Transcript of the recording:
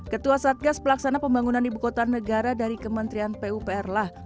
ketua satgas pelaksana pembangunan ibu kota negara dari kementerian pupr lah